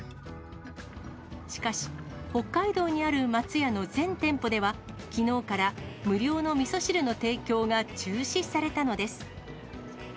しかし、北海道にある松屋の全店舗では、きのうから無料のみそ汁の提供が中止されたのです。